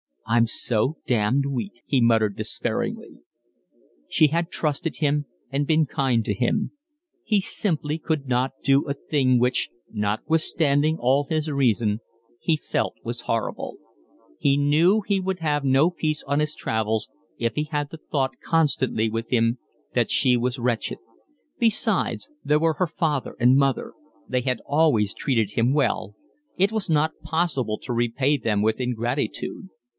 "I'm so damned weak," he muttered despairingly. She had trusted him and been kind to him. He simply could not do a thing which, notwithstanding all his reason, he felt was horrible. He knew he would have no peace on his travels if he had the thought constantly with him that she was wretched. Besides, there were her father and mother: they had always treated him well; it was not possible to repay them with ingratitude.